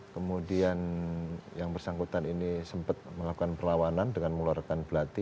kemudian yang bersangkutan ini sempat melakukan perlawanan dengan mengeluarkan belati